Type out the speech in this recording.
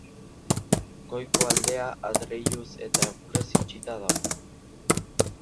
Goiko aldea, adreiluz eta egurrez itxita dago.